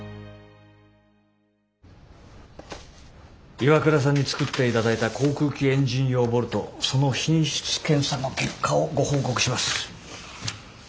ＩＷＡＫＵＲＡさんに作っていただいた航空機エンジン用ボルトその品質検査の結果をご報告します。